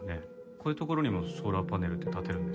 こういう所にもソーラーパネルって立てるんですか？